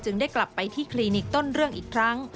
ได้กลับไปที่คลินิกต้นเรื่องอีกครั้ง